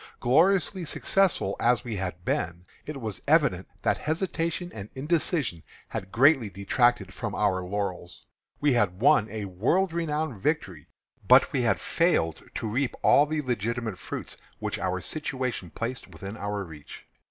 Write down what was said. Gloriously successful as we had been, it was evident that hesitation and indecision had greatly detracted from our laurels. We had won a world renowned victory, but we had failed to reap all the legitimate fruits which our situation placed within our reach.